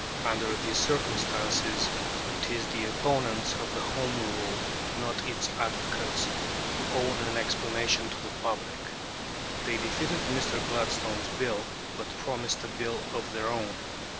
Under these circumstances it is the opponents of Home Rule, not its advocates, who owe an explanation to the public. They defeated Mr. Gladstone's Bill, but promised a Bill of their own.